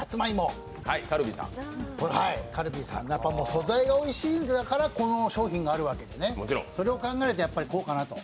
素材がおいしいからこの商品があるわけでね、それを考えると、やっぱりどうかなと。